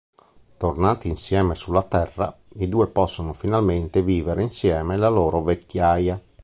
Tornati insieme sulla Terra, i due possono finalmente vivere insieme la loro vecchiaia.